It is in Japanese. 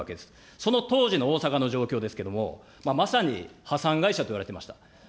その当時の大阪の状況ですけれども、まさに破産会社といわれていました。